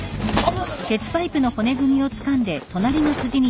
あっ！